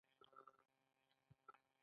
اووه اویایم سوال د مامور په اړه دی.